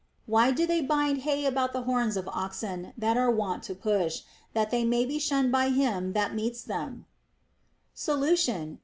Why do they bind hay about the horns of oxen that are wont to push, that they may be shunned by him that meets them % Solution.